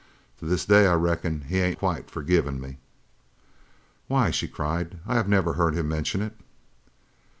To this day I reckon he ain't quite forgiven me." "Why!" she cried, "I have never heard him mention it!"